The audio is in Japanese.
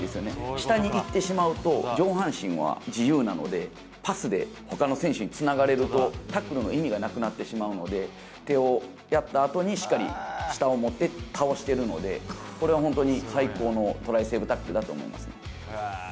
下にいってしまうと、上半身は自由なので、パスでほかの選手につながれると、タックルの意味がなくなってしまうので、手をやったあとに、しっかり下を持って倒してるので、これは本当に最高のトライセーブタックルだと思いますね。